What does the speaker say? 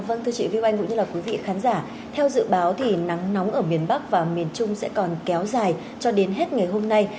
vâng thưa chị viu anh cũng như là quý vị khán giả theo dự báo thì nắng nóng ở miền bắc và miền trung sẽ còn kéo dài cho đến hết ngày hôm nay